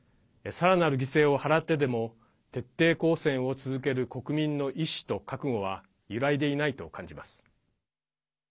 さらなる犠牲を払ってでも徹底抗戦を続ける国民の意思と覚悟は揺らいでいないと感じます。